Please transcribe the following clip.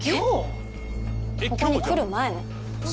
ここに来る前？